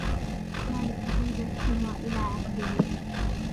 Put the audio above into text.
ما لكثيب الحمى إلى عقده